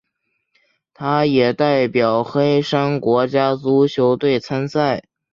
他也代表黑山国家足球队参赛。